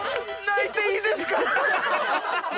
泣いていいですか？